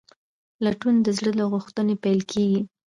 لټون د زړه له غوښتنې پیل کېږي.